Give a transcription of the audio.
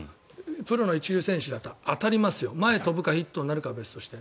プロの一流選手だと当たります前に飛ぶかヒットになるかは別として。